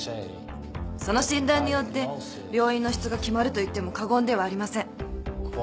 その診断によって病院の質が決まるといっても過言ではありません。